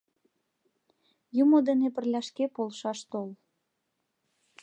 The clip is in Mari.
— Юмо дене пырля шке полшаш тол.